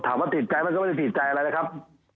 ถามว่าติดใจมันก็ไม่ได้ติดใจอะไรเลยครับ